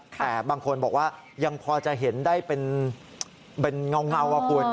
แต่บางคนบอกว่ายังพอจะเห็นได้เป็นเงาคุณ